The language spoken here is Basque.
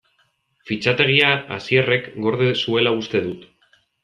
Fitxategia Asierrek gorde zuela uste dut.